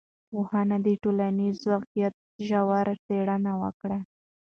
پوهانو د ټولنیز واقعیت ژوره څېړنه وکړه.